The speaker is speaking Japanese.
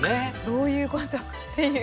どういうことっていう。